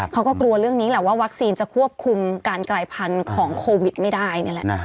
เขาก็กลัวเรื่องนี้แหละว่าวัคซีนจะควบคุมการกลายพันธุ์ของโควิดไม่ได้นี่แหละ